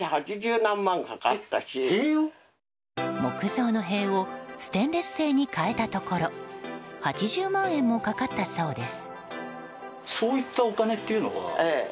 木造の塀をステンレス製に変えたところ８０万円もかかったそうです。